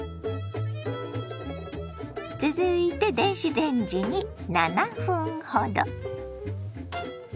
続いて電子レンジに７分ほど。